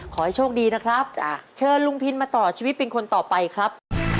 ขอให้โชคดีนะครับเชิญลุงพินมาต่อชีวิตเป็นคนต่อไปครับ